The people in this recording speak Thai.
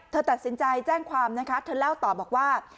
เธอตัดสินใจแจ้งความนะคะเธอเล่าต่อบอกว่า